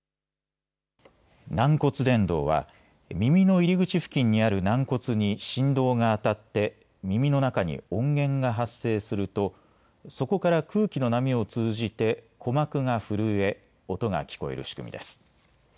軟骨伝導は耳の入り口付近にある軟骨に振動が当たって耳の中に音源が発生するとそこから空気の波を通じて鼓膜が震え、音が聞こえる仕組みです。